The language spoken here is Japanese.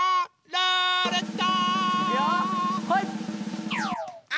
ルーレット！